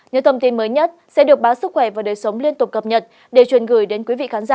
những thông tin mới nhất sẽ được báo sức khỏe và đời sống liên tục cập nhật để truyền gửi đến quý vị khán giả